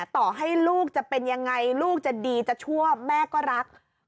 ต่อให้ลูกจะเป็นยังไงลูกจะดีจะชั่วแม่ก็รัก